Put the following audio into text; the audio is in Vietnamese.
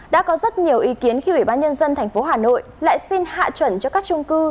đã có rất nhiều ý kiến khi ủy ban nhân dân tp hà nội lại xin hạ chuẩn cho các trung cư